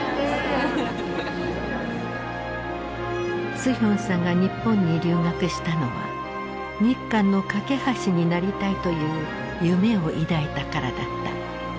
スヒョンさんが日本に留学したのは日韓の懸け橋になりたいという夢を抱いたからだった。